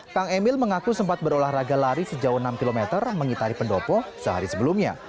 kang emil mengaku sempat berolahraga lari sejauh enam km mengitari pendopo sehari sebelumnya